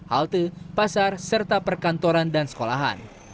halte pasar serta perkantoran dan sekolahan